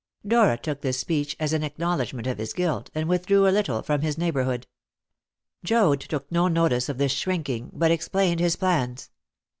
Dora took this speech as an acknowledgment of his guilt, and withdrew a little from his neighbourhood. Joad took no notice of this shrinking, but explained his plans.